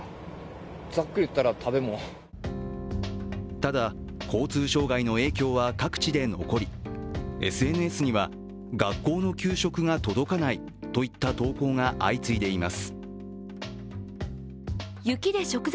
ただ、交通障害の影響は各地で残りＳＮＳには、学校の給食が届かないといった投稿が相次いでいます。